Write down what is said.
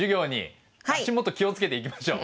足元気を付けて行きましょう。